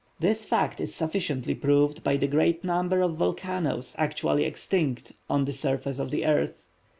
This fact is sufficiently proved by the great number of volcanoes actually extinct on the surface of the earth.